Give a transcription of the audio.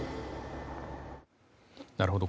なるほど。